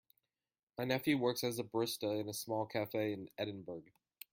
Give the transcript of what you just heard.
My nephew works as a barista in a small cafe in Edinburgh.